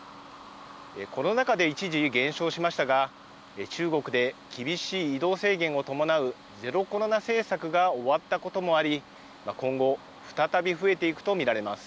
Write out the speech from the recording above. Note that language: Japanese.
コロナ禍で一時減少しましたが、中国で厳しい移動制限を伴うゼロコロナ政策が終わったこともあり、今後、再び増えていくと見られます。